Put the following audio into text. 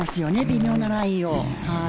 微妙なラインを。